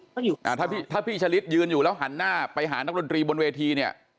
ถ้าอยู่อ่าถ้าพี่ชะลิดยืนอยู่แล้วหันหน้าไปหานักดนตรีบนเวทีเนี่ย